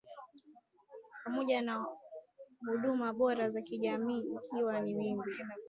pamoja na huduma bora za kijamii ikiwa ni wimbi